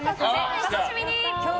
お楽しみに！